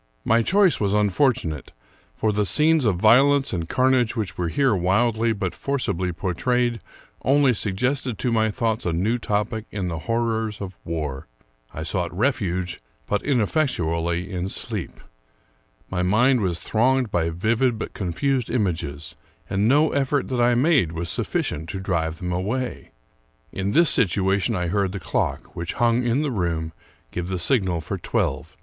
My choice was unfortunate ; for the scenes of violence and carnage which were here wildly but for cibly portrayed only suggested to my thoughts a new topic in the horrors of war. I sought refuge, but ineffectually, in sleep. My mind was thronged by vivid but confused images, and no effort that I made vv'as sufficient to drive them away. In this situation I heard the clock, which hung hi the room, give the signal for twelve.